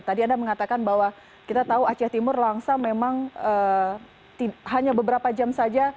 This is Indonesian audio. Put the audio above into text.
tadi anda mengatakan bahwa kita tahu aceh timur langsa memang hanya beberapa jam saja